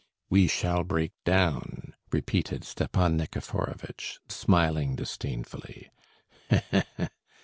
"We shall break down!" repeated Stepan Nikiforovitch, smiling disdainfully.